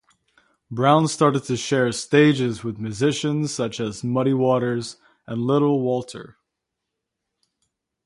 Brown started to share stages with musicians such as Muddy Waters and Little Walter.